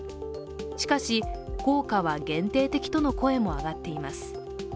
しかし、効果は限定的との声も上がっています。